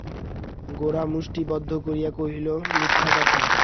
গোরা মুষ্টি বদ্ধ করিয়া কহিল, মিথ্যা কথা!